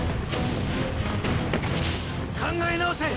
考え直せ！